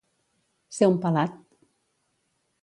Ser un pelat.